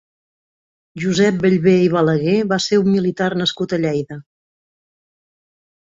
Josep Bellver i Balaguer va ser un militar nascut a Lleida.